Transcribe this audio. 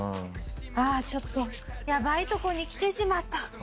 「ああちょっとやばいとこに来てしまった」。